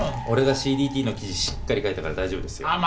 俺がＣＤＴの記事しっかり書いたから大丈夫ですよ。